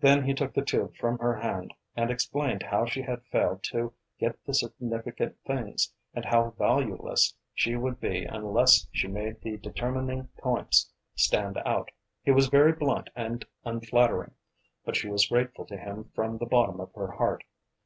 Then he took the tube from her hand and explained how she had failed to get the significant things, and how valueless she would be unless she made the determining points stand out. He was very blunt and unflattering, but she was grateful to him from the bottom of her heart.